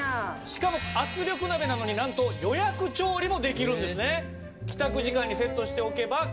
しかも圧力鍋なのになんと予約調理もできるんですね。